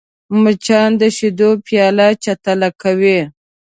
مچان د شیدو پیاله چټله کوي